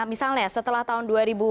misalnya setelah tahun dua ribu